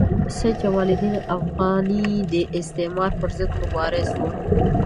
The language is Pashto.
سید جمال الدین افغاني د استعمار پر ضد مبارز وو.